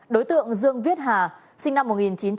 đối tượng dương viết hà sinh năm một nghìn chín trăm bảy mươi sáu